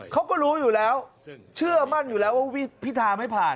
เขาก็รู้อยู่แล้วเชื่อมั่นอยู่แล้วว่าพิธาไม่ผ่าน